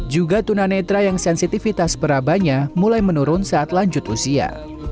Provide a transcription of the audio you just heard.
juga tuna netra yang sensitivitas perabahnya mulai menurun saat lanjut usia